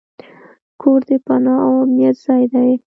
کور د پناه او امنیت ځای دی.